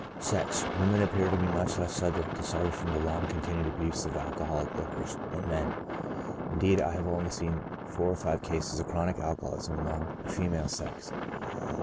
Sex, — Women appear to be much less subject to suffer from the long continued abuse of alcoholic liquors than men ; indeed, I have only seen four or five cases of chronic alcoholism among the female sex.